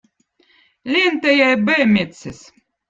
lentäjä eb õõ mettsez